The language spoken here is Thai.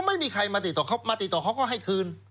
ไม่มีใครมาติดต่อเขามาติดต่อเขาก็ให้คืน